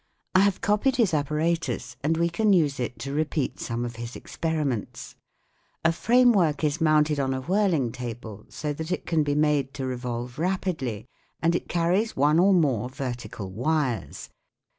I have copied his apparatus, and we can use it to repeat some of his experiments. work is mounted on a whirling table so that it can be made to revolve rapidly ; and it carries one or more vertical wires.